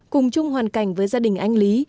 cùng chung hoàn cảnh với gia đình anh lý